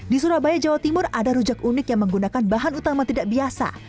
di surabaya jawa timur ada rujak unik yang menggunakan bahan utama tidak biasa